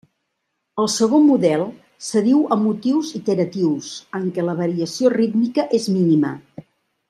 El segon model s'adiu amb motius iteratius, en què la variació rítmica és mínima.